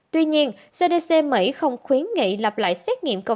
tuy nhiên cdc mỹ không khuyến nghị lặp lại xét nghiệm covid một mươi chín